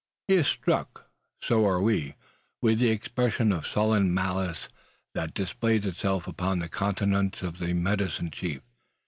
He is struck, so are we, with the expression of sullen malice that displays itself upon the countenance of the medicine chief.